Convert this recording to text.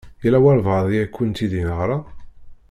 Yella walebɛaḍ i akent-id-iɣṛan?